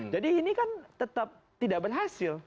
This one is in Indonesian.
ini kan tetap tidak berhasil